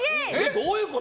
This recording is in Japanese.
どういうこと？